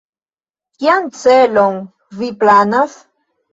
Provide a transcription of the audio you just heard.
Kian celon vi planas?